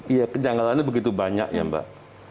iya kejanggalannya begitu banyak ya mbak